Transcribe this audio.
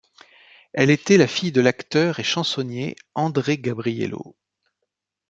Elle était la fille de l'acteur et chansonnier André Gabriello.